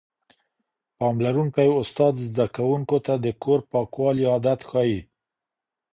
پاملرونکی استاد زده کوونکو ته د کور پاکوالي عادت ښووي.